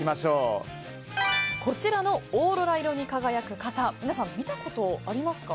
こちらのオーロラ色に輝く傘皆さん、見たことありますか？